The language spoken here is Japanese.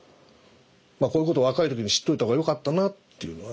こういうこと若い時に知っといたほうがよかったなっていうのはね。